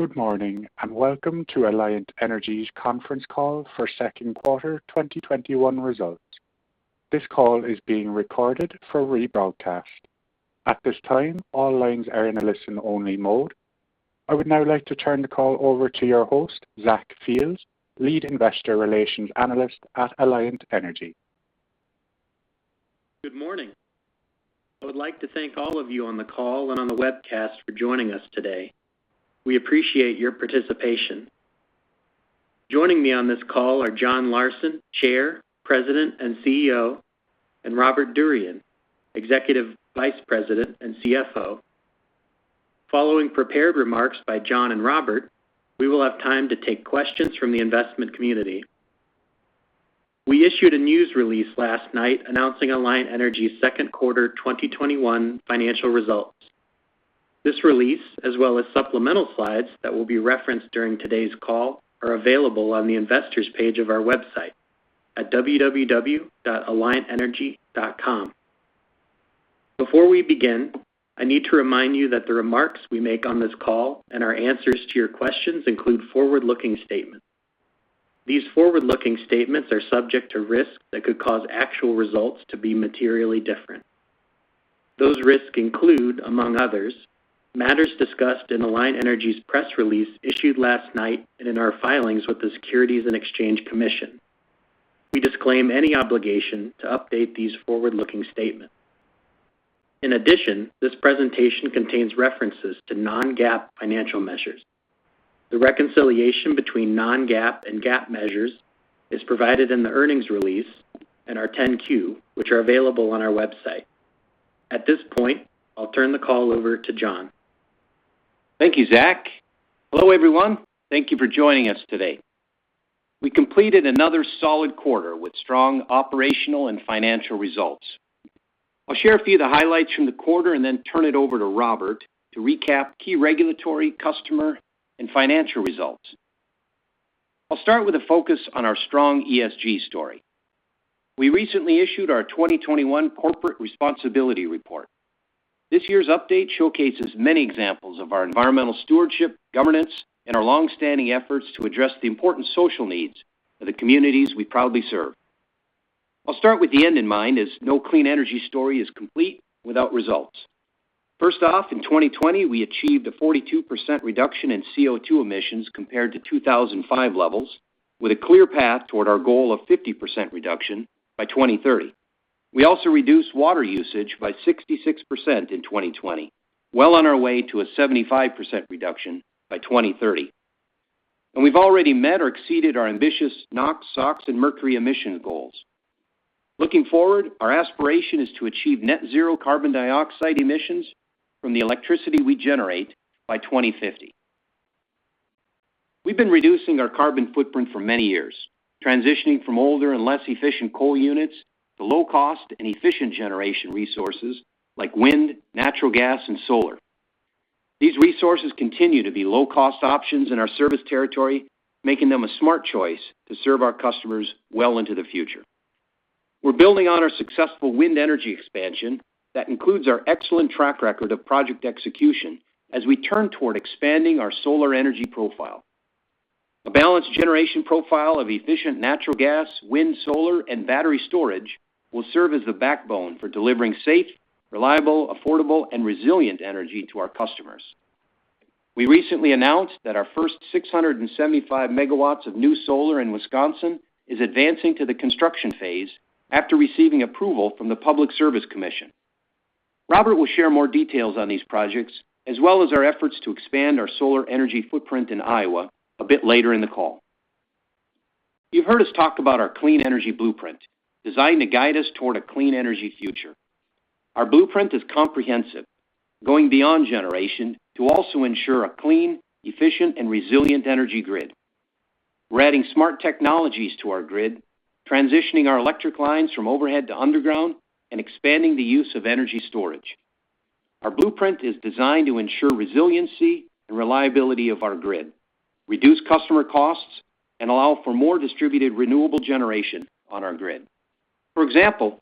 Good morning, and welcome to Alliant Energy's conference call for second quarter 2021 results. This call is being recorded for rebroadcast. At this time, all lines are in a listen-only mode. I would now like to turn the call over to your host, Zach Fields, Lead Investor Relations Analyst at Alliant Energy. Good morning. I would like to thank all of you on the call and on the webcast for joining us today. We appreciate your participation. Joining me on this call are John Larsen, Chair, President, and CEO, and Robert Durian, Executive Vice President and CFO. Following prepared remarks by John and Robert, we will have time to take questions from the investment community. We issued a news release last night announcing Alliant Energy's second quarter 2021 financial results. This release, as well as supplemental slides that will be referenced during today's call, are available on the investors page of our website at www.alliantenergy.com. Before we begin, I need to remind you that the remarks we make on this call and our answers to your questions include forward-looking statements. These forward-looking statements are subject to risks that could cause actual results to be materially different. Those risks include, among others, matters discussed in Alliant Energy's press release issued last night and in our filings with the Securities and Exchange Commission. We disclaim any obligation to update these forward-looking statements. In addition, this presentation contains references to non-GAAP financial measures. The reconciliation between non-GAAP and GAAP measures is provided in the earnings release and our 10-Q, which are available on our website. At this point, I'll turn the call over to John. Thank you, Zach. Hello, everyone. Thank you for joining us today. We completed another solid quarter with strong operational and financial results. I'll share a few of the highlights from the quarter and then turn it over to Robert to recap key regulatory customer and financial results. I'll start with a focus on our strong ESG story. We recently issued our 2021 corporate responsibility report. This year's update showcases many examples of our environmental stewardship, governance, and our longstanding efforts to address the important social needs of the communities we proudly serve. I'll start with the end in mind, as no clean energy story is complete without results. First off, in 2020, we achieved a 42% reduction in CO2 emissions compared to 2005 levels, with a clear path toward our goal of 50% reduction by 2030. We also reduced water usage by 66% in 2020, well on our way to a 75% reduction by 2030. We've already met or exceeded our ambitious NOx, SOx, and mercury emission goals. Looking forward, our aspiration is to achieve net zero carbon dioxide emissions from the electricity we generate by 2050. We've been reducing our carbon footprint for many years, transitioning from older and less efficient coal units to low-cost and efficient generation resources like wind, natural gas, and solar. These resources continue to be low-cost options in our service territory, making them a smart choice to serve our customers well into the future. We're building on our successful wind energy expansion that includes our excellent track record of project execution as we turn toward expanding our solar energy profile. A balanced generation profile of efficient natural gas, wind, solar, and battery storage will serve as the backbone for delivering safe, reliable, affordable, and resilient energy to our customers. We recently announced that our first 675 MW of new solar in Wisconsin is advancing to the construction phase after receiving approval from the Public Service Commission. Robert will share more details on these projects, as well as our efforts to expand our solar energy footprint in Iowa a bit later in the call. You've heard us talk about our clean energy blueprint, designed to guide us toward a clean energy future. Our blueprint is comprehensive, going beyond generation to also ensure a clean, efficient, and resilient energy grid. We're adding smart technologies to our grid, transitioning our electric lines from overhead to underground, and expanding the use of energy storage. Our blueprint is designed to ensure resiliency and reliability of our grid, reduce customer costs, and allow for more distributed renewable generation on our grid. For example,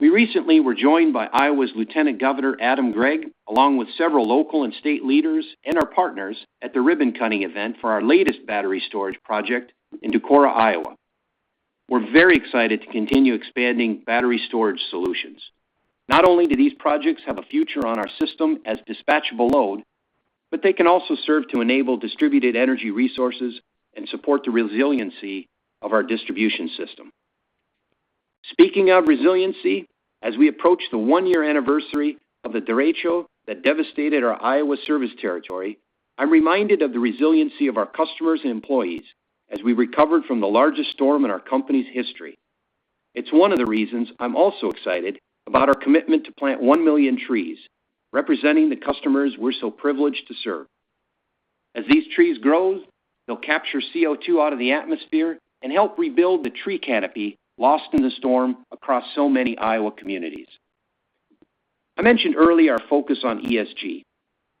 we recently were joined by Iowa's Lieutenant Governor Adam Gregg, along with several local and state leaders and our partners at the ribbon-cutting event for our latest battery storage project in Decorah, Iowa. We're very excited to continue expanding battery storage solutions. Not only do these projects have a future on our system as dispatchable load, but they can also serve to enable distributed energy resources and support the resiliency of our distribution system. Speaking of resiliency, as we approach the one-year anniversary of the derecho that devastated our Iowa service territory, I'm reminded of the resiliency of our customers and employees as we recovered from the largest storm in our company's history. It's one of the reasons I'm also excited about our commitment to plant 1 million trees, representing the customers we're so privileged to serve. As these trees grow, they'll capture CO2 out of the atmosphere and help rebuild the tree canopy lost in the storm across so many Iowa communities. I mentioned early our focus on ESG.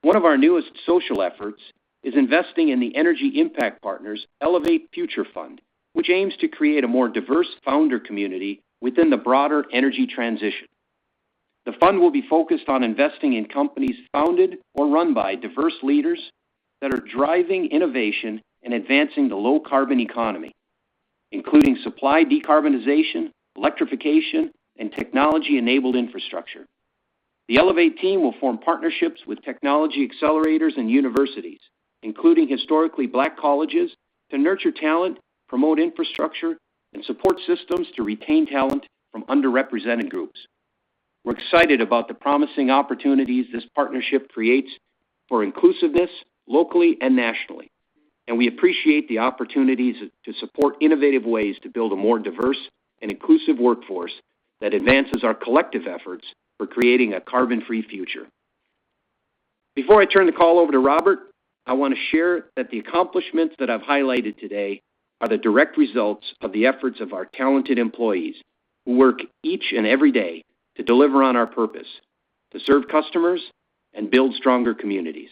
One of our newest social efforts is investing in the Energy Impact Partners Elevate Future Fund, which aims to create a more diverse founder community within the broader energy transition. The fund will be focused on investing in companies founded or run by diverse leaders that are driving innovation and advancing the low-carbon economy, including supply decarbonization, electrification, and technology-enabled infrastructure. The Elevate team will form partnerships with technology accelerators and universities, including historically Black colleges, to nurture talent, promote infrastructure, and support systems to retain talent from underrepresented groups. We're excited about the promising opportunities this partnership creates for inclusiveness locally and nationally, and we appreciate the opportunities to support innovative ways to build a more diverse and inclusive workforce that advances our collective efforts for creating a carbon-free future. Before I turn the call over to Robert, I want to share that the accomplishments that I've highlighted today are the direct results of the efforts of our talented employees who work each and every day to deliver on our purpose to serve customers and build stronger communities.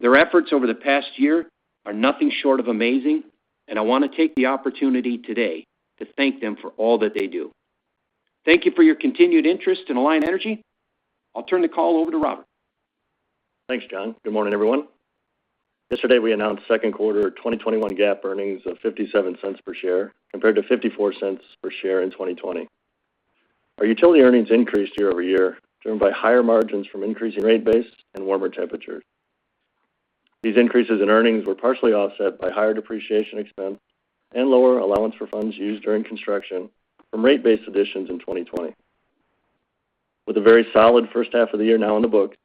Their efforts over the past year are nothing short of amazing, and I want to take the opportunity today to thank them for all that they do. Thank you for your continued interest in Alliant Energy. I'll turn the call over to Robert. Thanks, John. Good morning, everyone. Yesterday, we announced second quarter 2021 GAAP earnings of $0.57 per share compared to $0.54 per share in 2020. Our utility earnings increased year-over-year, driven by higher margins from increasing rate base and warmer temperatures. These increases in earnings were partially offset by higher depreciation expense and lower allowance for funds used during construction from rate base additions in 2020. With a very solid first half of the year now in the books,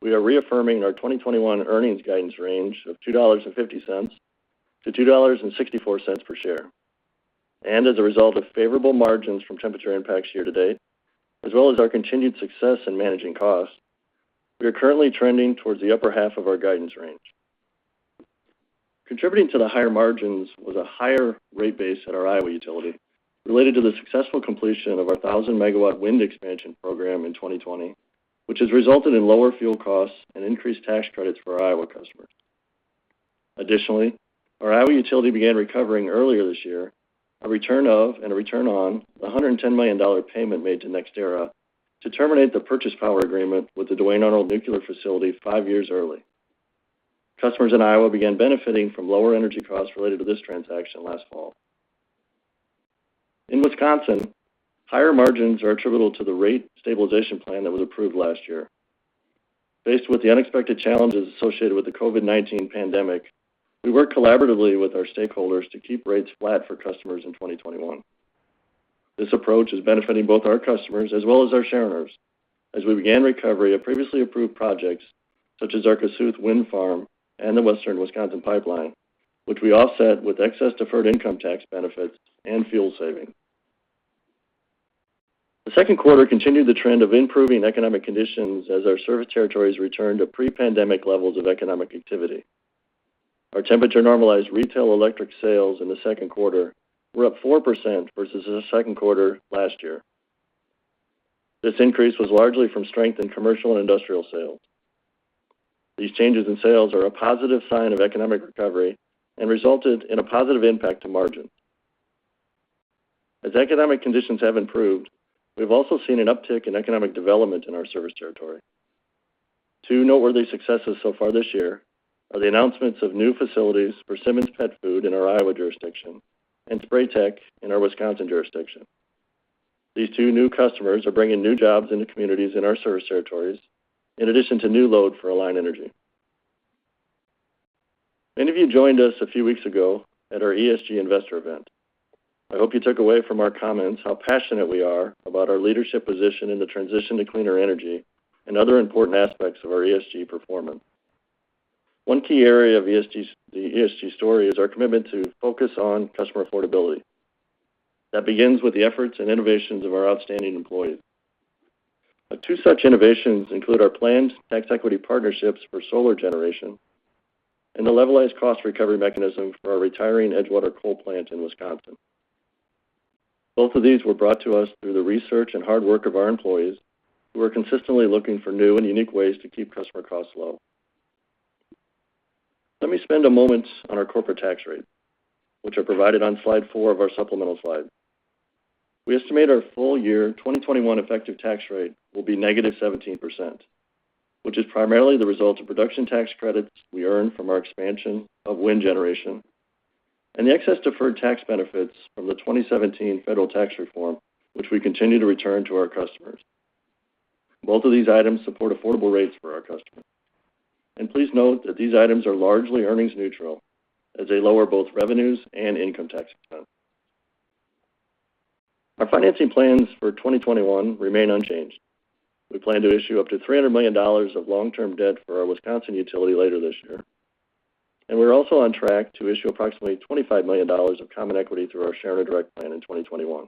we are reaffirming our 2021 earnings guidance range of $2.50-$2.64 per share. As a result of favorable margins from temperature impacts year-to-date, as well as our continued success in managing costs, we are currently trending towards the upper half of our guidance range. Contributing to the higher margins was a higher rate base at our Iowa utility, related to the successful completion of our 1,000 MW wind expansion program in 2020, which has resulted in lower fuel costs and increased tax credits for Iowa customers. Additionally, our Iowa utility began recovering earlier this year, a return of and a return on the $110 million payment made to NextEra to terminate the purchase power agreement with the Duane Arnold Energy Center five years early. Customers in Iowa began benefiting from lower energy costs related to this transaction last fall. In Wisconsin, higher margins are attributable to the rate stabilization plan that was approved last year. Faced with the unexpected challenges associated with the COVID-19 pandemic, we worked collaboratively with our stakeholders to keep rates flat for customers in 2021. This approach is benefiting both our customers as well as our shareholders, as we began recovery of previously approved projects such as our Kossuth Wind Farm and the Western Wisconsin Pipeline, which we offset with excess deferred income tax benefits and fuel savings. The second quarter continued the trend of improving economic conditions as our service territories returned to pre-pandemic levels of economic activity. Our temperature-normalized retail electric sales in the second quarter were up 4% versus the second quarter last year. This increase was largely from strength in commercial and industrial sales. These changes in sales are a positive sign of economic recovery and resulted in a positive impact to margin. As economic conditions have improved, we've also seen an uptick in economic development in our service territory. Two noteworthy successes so far this year are the announcements of new facilities for Simmons Pet Food in our Iowa jurisdiction and Spray-Tek in our Wisconsin jurisdiction. These two new customers are bringing new jobs into communities in our service territories, in addition to new load for Alliant Energy. Many of you joined us a few weeks ago at our ESG investor event. I hope you took away from our comments how passionate we are about our leadership position in the transition to cleaner energy and other important aspects of our ESG performance. One key area of the ESG story is our commitment to focus on customer affordability. That begins with the efforts and innovations of our outstanding employees. Two such innovations include our planned tax equity partnerships for solar generation and the levelized cost recovery mechanism for our retiring Edgewater Coal Plant in Wisconsin. Both of these were brought to us through the research and hard work of our employees, who are consistently looking for new and unique ways to keep customer costs low. Let me spend a moment on our corporate tax rate, which are provided on slide four of our supplemental slides. We estimate our full-year 2021 effective tax rate will be -17%, which is primarily the result of production tax credits we earned from our expansion of wind generation and the excess deferred tax benefits from the 2017 federal tax reform, which we continue to return to our customers. Both of these items support affordable rates for our customers. Please note that these items are largely earnings neutral as they lower both revenues and income tax expense. Our financing plans for 2021 remain unchanged. We plan to issue up to $300 million of long-term debt for our Wisconsin utility later this year, and we're also on track to issue approximately $25 million of common equity through our shareholder direct plan in 2021.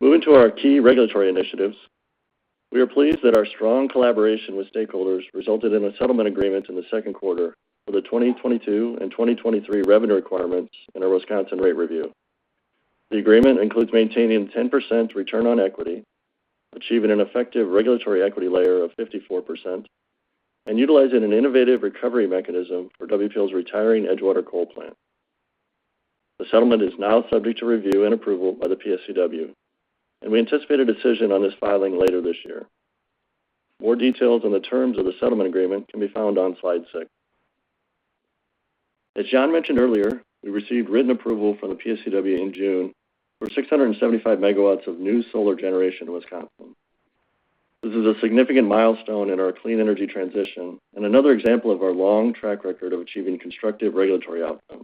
Moving to our key regulatory initiatives, we are pleased that our strong collaboration with stakeholders resulted in a settlement agreement in the second quarter for the 2022 and 2023 revenue requirements in our Wisconsin rate review. The agreement includes maintaining 10% return on equity, achieving an effective regulatory equity layer of 54%, and utilizing an innovative recovery mechanism for WPL's retiring Edgewater Coal Plant. The settlement is now subject to review and approval by the PSCW, and we anticipate a decision on this filing later this year. More details on the terms of the settlement agreement can be found on slide six. As John mentioned earlier, we received written approval from the PSCW in June for 675 MW of new solar generation in Wisconsin. This is a significant milestone in our clean energy transition and another example of our long track record of achieving constructive regulatory outcomes.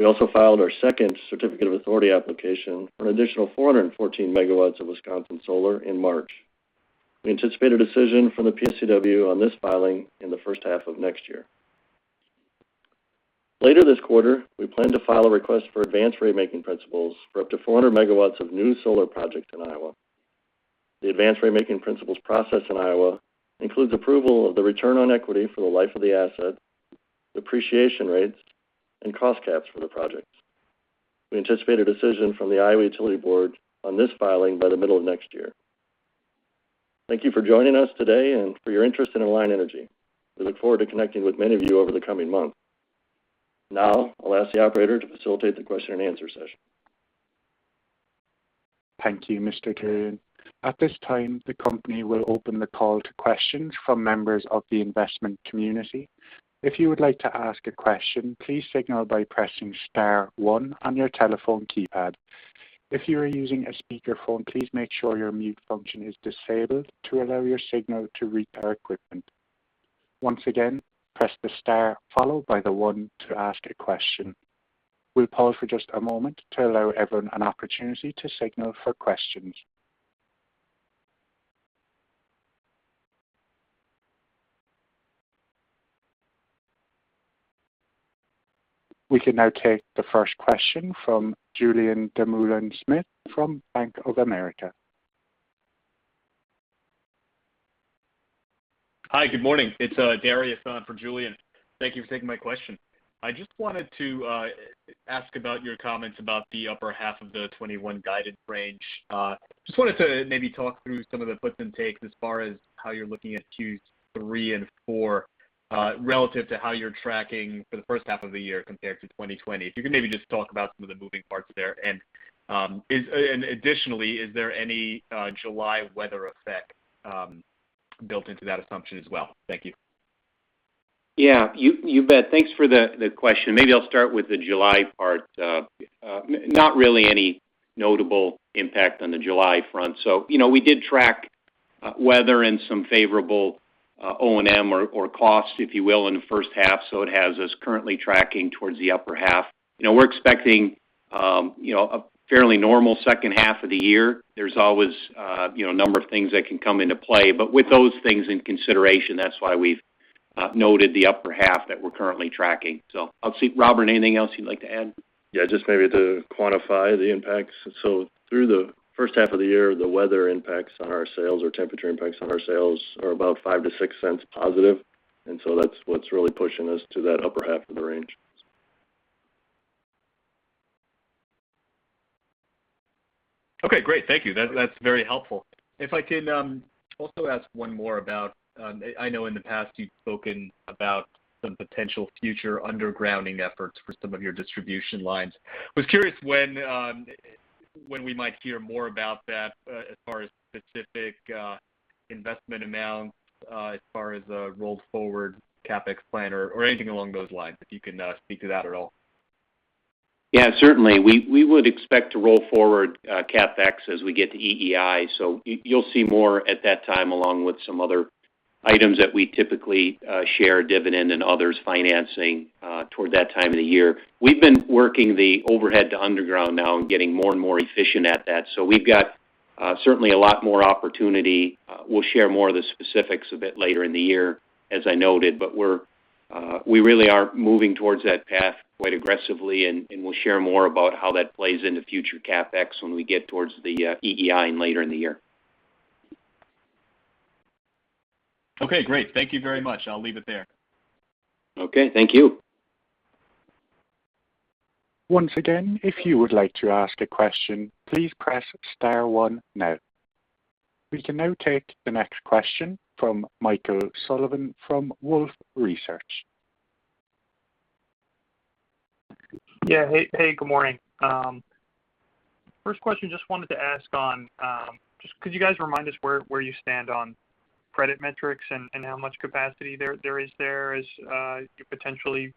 We also filed our second Certificate of Authority application for an additional 414 MW of Wisconsin solar in March. We anticipate a decision from the PSCW on this filing in the first half of next year. Later this quarter, we plan to file a request for advanced rate-making principles for up to 400 MW of new solar projects in Iowa. The advanced rate-making principles process in Iowa includes approval of the return on equity for the life of the asset, depreciation rates, and cost caps for the projects. We anticipate a decision from the Iowa Utilities Board on this filing by the middle of next year. Thank you for joining us today and for your interest in Alliant Energy. We look forward to connecting with many of you over the coming months. Now, I'll ask the operator to facilitate the question and answer session. Thank you, Mr. Durian. At this time, the company will open the call to questions from members of the investment community. If you would like to ask a question, please signal by pressing star one on your telephone keypad. If you are using a speakerphone, please make sure your mute function is disabled to allow your signal to reach our equipment. Once again, press the star followed by the one to ask a question. We'll pause for just a moment to allow everyone an opportunity to signal for questions. We can now take the first question from Julien Dumoulin-Smith from Bank of America. Hi. Good morning. It's Dariusz for Julien. Thank you for taking my question. I just wanted to ask about your comments about the upper half of the 2021 guided range. Just wanted to maybe talk through some of the puts and takes as far as how you're looking at Q3 and Q4, relative to how you're tracking for the first half of the year compared to 2020. If you could maybe just talk about some of the moving parts there. Additionally, is there any July weather effect built into that assumption as well? Thank you. Yeah, you bet. Thanks for the question. Maybe I'll start with the July part. Not really any notable impact on the July front. We did track weather and some favorable O&M or cost, if you will, in the first half, it has us currently tracking towards the upper half. We're expecting a fairly normal second half of the year. There's always a number of things that can come into play. With those things in consideration, that's why we've noted the upper half that we're currently tracking. I'll see, Robert, anything else you'd like to add? Yeah, just maybe to quantify the impacts. Through the first half of the year, the weather impacts on our sales or temperature impacts on our sales are about $0.05-$0.06 positive, and so that's what's really pushing us to that upper half of the range. Okay, great. Thank you. That's very helpful. If I can also ask one more about, I know in the past you've spoken about some potential future undergrounding efforts for some of your distribution lines. Was curious when we might hear more about that as far as specific investment amounts, as far as a rolled forward CapEx plan or anything along those lines, if you can speak to that at all. Yeah, certainly. We would expect to roll forward CapEx as we get to EEI, so you'll see more at that time, along with some other items that we typically share, dividend and others, financing toward that time of the year. We've been working the overhead to underground now and getting more and more efficient at that. We've got certainly a lot more opportunity. We'll share more of the specifics a bit later in the year, as I noted. We really are moving towards that path quite aggressively, and we'll share more about how that plays into future CapEx when we get towards the EEI later in the year. Okay, great. Thank you very much. I'll leave it there. Okay, thank you. Once again, if you would like to ask a question, please press star one now. We can now take the next question from Michael Sullivan from Wolfe Research. Yeah. Hey, good morning. First question, just wanted to ask on, just could you guys remind us where you stand on credit metrics and how much capacity there is there as you potentially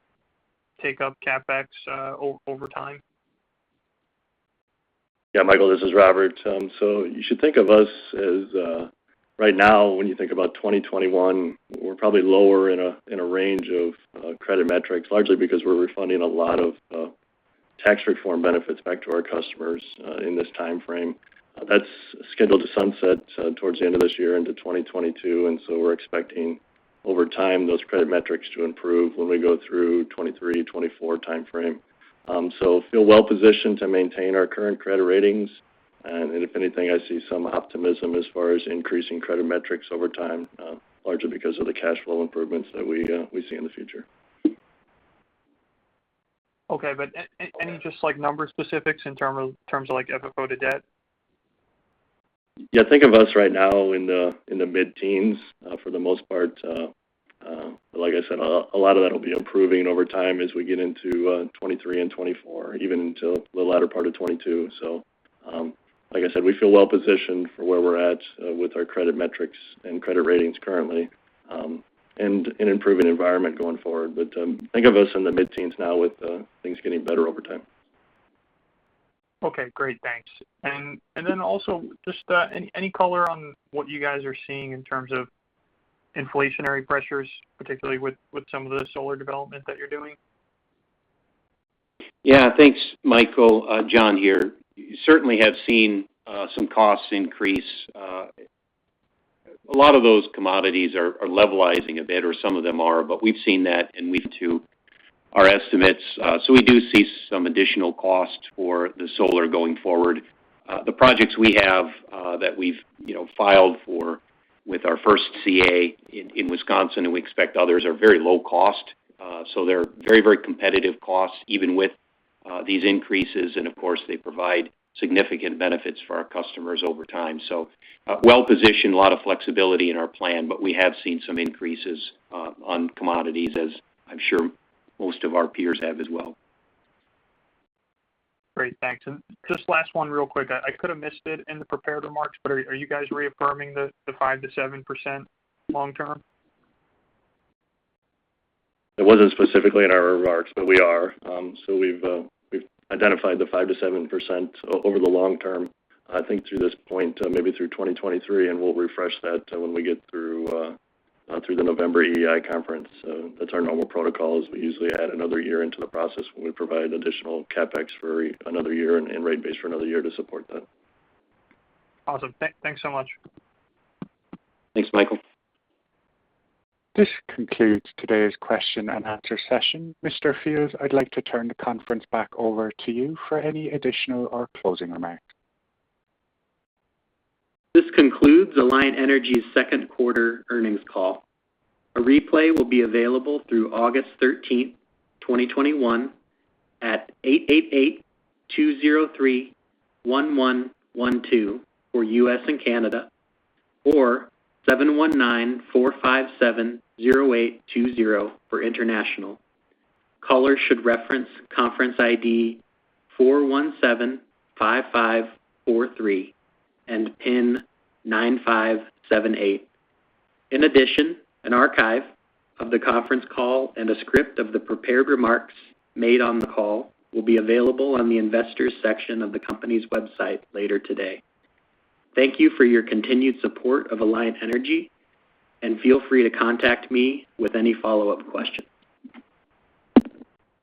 take up CapEx over time? Yeah, Michael, this is Robert. You should think of us as, right now, when you think about 2021, we're probably lower in a range of credit metrics, largely because we're refunding a lot of tax reform benefits back to our customers in this time frame. That's scheduled to sunset towards the end of this year into 2022. We're expecting, over time, those credit metrics to improve when we go through 2023, 2024 time frame. Feel well-positioned to maintain our current credit ratings, and if anything, I see some optimism as far as increasing credit metrics over time, largely because of the cash flow improvements that we see in the future. Okay, any just number specifics in terms of FFO to debt? Yeah, think of us right now in the mid-teens for the most part. Like I said, a lot of that will be improving over time as we get into 2023 and 2024, even into the latter part of 2022. Like I said, we feel well-positioned for where we're at with our credit metrics and credit ratings currently, and an improving environment going forward. Think of us in the mid-teens now with things getting better over time. Okay, great. Thanks. Also, just any color on what you guys are seeing in terms of inflationary pressures, particularly with some of the solar development that you're doing? Yeah, thanks, Michael. John here. Certainly have seen some costs increase. A lot of those commodities are levelizing a bit, or some of them are, but we've seen that in week two, our estimates. We do see some additional costs for the solar going forward. The projects we have that we've filed for with our first CA in Wisconsin, and we expect others, are very low cost. They're very competitive costs, even with these increases, and of course, they provide significant benefits for our customers over time. Well-positioned, a lot of flexibility in our plan. We have seen some increases on commodities as I'm sure most of our peers have as well. Great, thanks. Just last one real quick. I could have missed it in the prepared remarks, but are you guys reaffirming the 5%-7% long term? It wasn't specifically in our remarks, but we are. We've identified the 5%-7% over the long term, I think through this point, maybe through 2023, and we'll refresh that when we get through the November EEI conference. That's our normal protocol, is we usually add another year into the process when we provide additional CapEx for another year and rate base for another year to support that. Awesome. Thanks so much. Thanks, Michael. This concludes today's question and answer session. Mr. Fields, I'd like to turn the conference back over to you for any additional or closing remarks. This concludes Alliant Energy's second quarter earnings call. A replay will be available through August 13th, 2021 at 888-203-1112 for U.S. and Canada or 719-457-0820 for international. Callers should reference conference ID 4175543 and pin 9578. In addition, an archive of the conference call and a script of the prepared remarks made on the call will be available on the investors section of the company's website later today. Thank you for your continued support of Alliant Energy, and feel free to contact me with any follow-up questions.